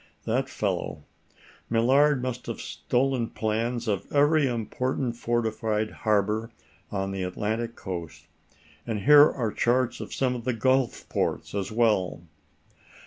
That fellow. Millard must have stolen plans of every important fortified harbor on the Atlantic coast. And here are charts of some of the gulf ports as well."